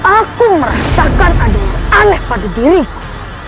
aku merasakan ada yang aneh pada diriku